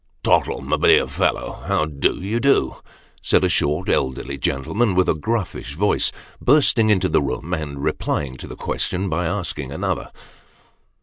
" Tottle, my dear fellow, how do you do ?" said a short elderly gentleman with a grufiish voice, bursting into the room, and replying to the question by asking another.